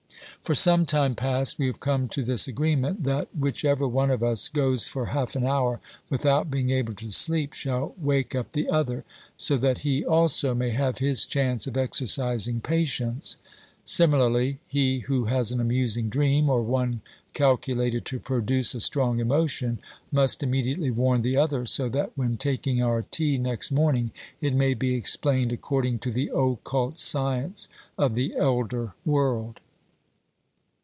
For some time past we have come to this agreement, that whichever one of us goes for half an hour without being able to sleep shall wake up the other, so that he also may have his chance of exercising patience ; similarly, he who has an amusing dream, or one calculated to produce a strong emotion, must immediately warn the other, so that when taking our tea next morning it may be explained according to the occult science of the elder world.